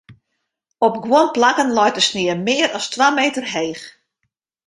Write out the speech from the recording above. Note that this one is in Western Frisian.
Op guon plakken leit de snie mear as twa meter heech.